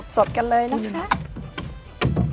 สดกันเลยแล้วค่ะ